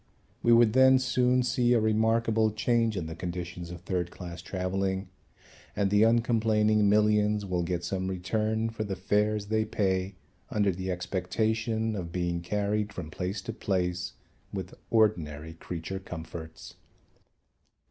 We would then soon see a remarkable change in the conditions of third class travelling and the uncomplaining millions will get some return for the fares they pay under the expectation of being carried from place to place with ordinary creature comforts.